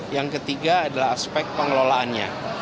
yang ketiga adalah aspek pengelolaannya